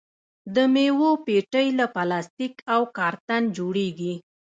د میوو پیټۍ له پلاستیک او کارتن جوړیږي.